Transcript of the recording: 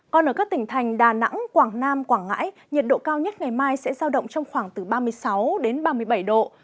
còn ở các tỉnh thành đà nẵng quảng nam quảng ngãi nhiệt độ cao nhất ngày mai sẽ giao động trong khoảng từ ba mươi sáu đến ba mươi bảy độ